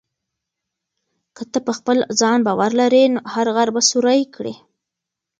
که ته په خپل ځان باور ولرې، هر غر به سوري کړې.